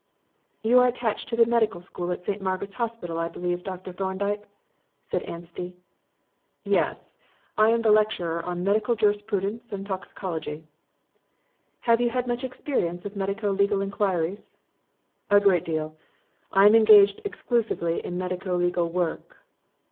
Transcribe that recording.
"You are attached to the medical school at St. Margaret's Hospital, I believe, Dr. Thorndyke?" said Anstey. "Yes. I am the lecturer on Medical Jurisprudence and Toxicology." "Have you had much experience of medico legal inquiries?" "A great deal. I am engaged exclusively in medico legal work."